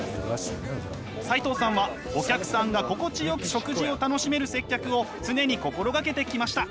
齋藤さんはお客さんが心地よく食事を楽しめる接客を常に心がけてきました。